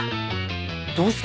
どうして？